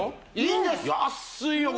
いいんです安いよ